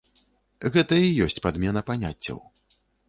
Гэта і ёсць падмена паняццяў.